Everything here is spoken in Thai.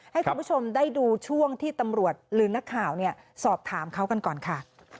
ให้คุณผู้ชมได้ดูช่วงที่ตำรวจหรือนักข่าวสอบถามเขากันก่อนค่ะ